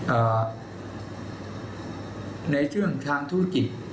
อ่าในเรื่องทางธุรกิจ